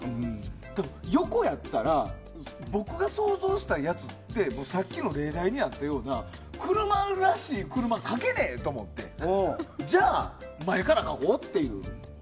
でも横やったら僕が想像したやつってさっきの例題にあったような車らしい車、描けないと思ってじゃあ、前から描こうっていう。